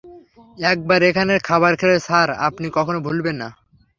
একবার এখানের খাবার খেলে, স্যার আপনি কখনো ভুলবেন না।